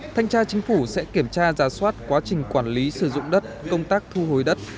thanh tra chính phủ sẽ kiểm tra giả soát quá trình quản lý sử dụng đất công tác thu hồi đất